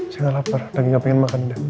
saya ga lapar lagi ga pengen makan udah